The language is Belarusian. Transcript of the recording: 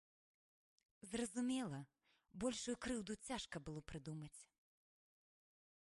Зразумела, большую крыўду цяжка было прыдумаць.